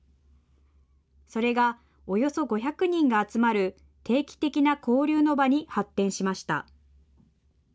それが、およそ５００人が集まる定期的な交流の場に発展しました。